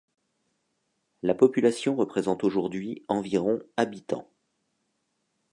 La population représente aujourd'hui environ habitants.